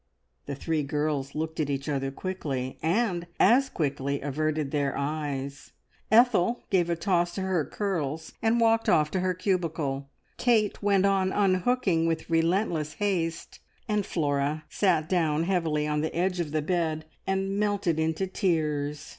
The three girls looked at each other quickly, and as quickly averted their eyes. Ethel gave a toss to her curls, and walked off to her cubicle. Kate went on unhooking with relentless haste, and Flora sat down heavily on the edge of the bed, and melted into tears.